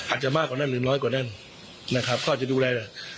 อาจจะมากกว่านั้นหรือน้อยกว่านั้นนะครับเขาอาจจะดูแลหน่อย